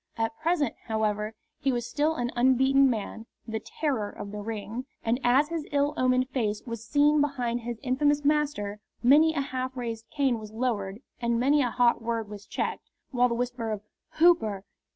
At present, however, he was still an unbeaten man, the terror of the Ring, and as his ill omened face was seen behind his infamous master many a half raised cane was lowered and many a hot word was checked, while the whisper of "Hooper!